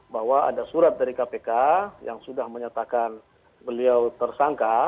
bahwa ada surat dari kpk yang sudah menyatakan beliau tersangka